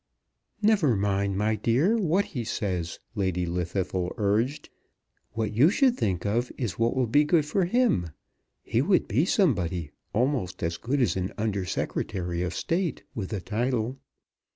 "Never mind, my dear, what he says," Lady Llwddythlw urged. "What you should think of is what will be good for him. He would be somebody, almost as good as an Under Secretary of State, with a title.